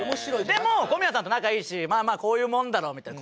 でも小宮さんと仲いいしまあまあこういうものだろうみたいな。